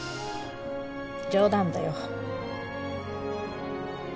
冗談だよ。